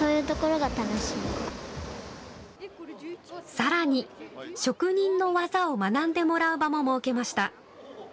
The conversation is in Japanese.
さらに職人の技を学んでもらう場も設けました。